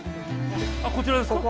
こちらですか。